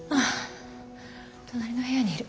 隣の部屋にいる。